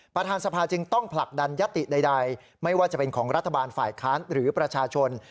ประธานสภาจึงต้องผลักดันยติใดไม่ว่าจะเป็นของรัฐบาลฝ่ายค้านหรือประชาชน